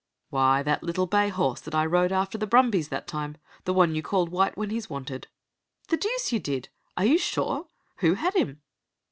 "Why, that little bay horse that I rode after the brumbies that time. The one you called White when he's wanted." "The deuce you did! Are you sure? Who had him?"